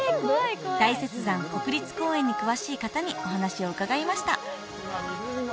大雪山国立公園に詳しい方にお話を伺いましたうわ